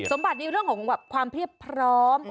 สมบัตินี่คือเรื่องของความพรีพพร้อม